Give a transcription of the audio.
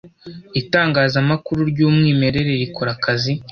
Itangazamakuru ryumwimerere rikora akazi